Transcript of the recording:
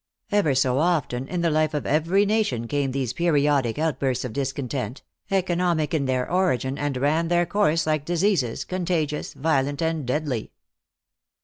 Ever so often in the life of every nation came these periodic outbursts of discontent, economic in their origin, and ran their course like diseases, contagious, violent and deadly.